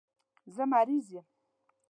زه مریض یم.